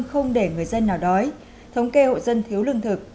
không để người dân nào đói thống kê hộ dân thiếu lương thực